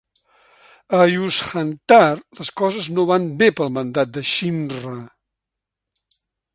A Yuuzhan'tar, les coses no van bé pel mandat de Shimrra.